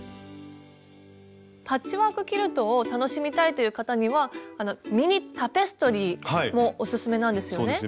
パッチワークキルトを楽しみたいという方にはミニタペストリーもオススメなんですよね。